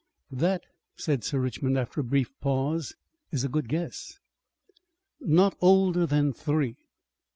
"That," said Sir Richmond after a brief pause, "is a good guess." "Not older than three."